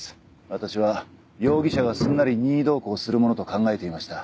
私は容疑者がすんなり任意同行するものと考えていました。